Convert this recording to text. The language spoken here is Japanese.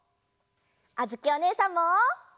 あづきおねえさんも。